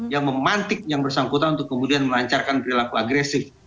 yang memantik yang bersangkutan untuk kemudian melancarkan perilaku agresif